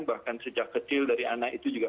bahkan sejak kecil dari anak itu juga